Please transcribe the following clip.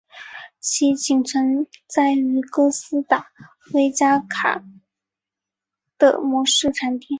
其仅存在于哥斯达黎加卡塔戈省的模式产地。